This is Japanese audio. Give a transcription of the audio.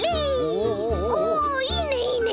おおいいねいいね。